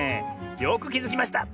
よくきづきました！